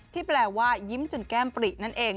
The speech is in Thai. แปลว่ายิ้มจนแก้มปรินั่นเอง